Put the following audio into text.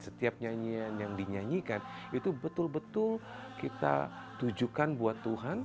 setiap nyanyian yang dinyanyikan itu betul betul kita tujukan buat tuhan